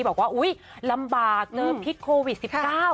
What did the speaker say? บอกว่าอุ๊ยลำบากเจอพิษโควิด๑๙